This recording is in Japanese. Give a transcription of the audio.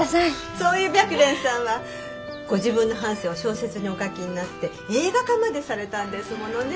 そういう白蓮さんはご自分の半生を小説にお書きになって映画化までされたんですものね。